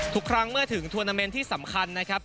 ทุกครั้งเมื่อถึงทวนาเมนต์ที่สำคัญนะครับ